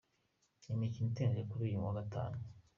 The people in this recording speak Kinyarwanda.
Imikino iteganyijwe kuri uyu wa gatanu:.